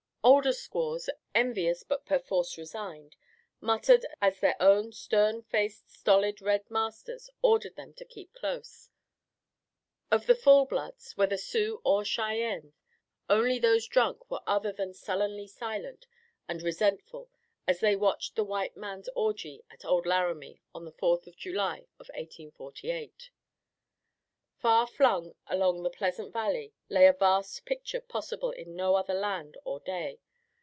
Older squaws, envious but perforce resigned, muttered as their own stern faced stolid red masters ordered them to keep close. Of the full bloods, whether Sioux or Cheyennes, only those drunk were other than sullenly silent and resentful as they watched the white man's orgy at Old Laramie on the Fourth of July of 1848. Far flung along the pleasant valley lay a vast picture possible in no other land or day.